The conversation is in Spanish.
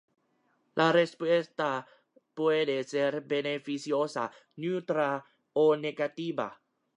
La respuesta puede ser beneficiosa, neutra o negativa.